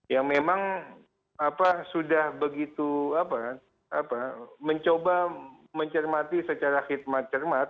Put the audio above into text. yang memang sudah begitu mencoba mencermati secara khidmat cermat